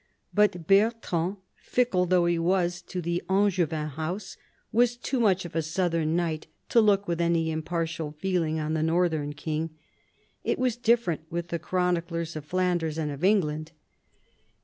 But Bertrand, fickle though he was to the Angevin house, was too much of a southern knight to look with any impartial feeling on the northern king. It was different with the chroniclers of Flanders and of England.